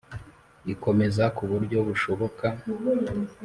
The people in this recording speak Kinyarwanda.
ikomeza ku buryo bushoboka